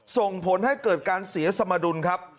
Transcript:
ส่งผลให้เกิดการเสียสมดุลครับ